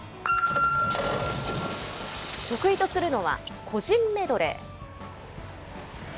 得意とするのは、個人メドレー。